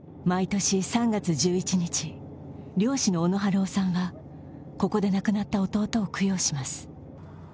毎年３月１１日、漁師の小野春雄さんはここで亡くなった弟を供養します。